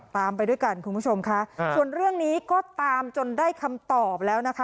ไปด้วยกันคุณผู้ชมค่ะส่วนเรื่องนี้ก็ตามจนได้คำตอบแล้วนะคะ